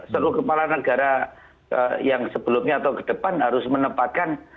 seluruh kepala negara yang sebelumnya atau ke depan harus menempatkan